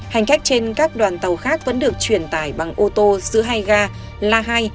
hành khách trên các đoàn tàu khác vẫn được truyền tải bằng ô tô giữa hai ga la hai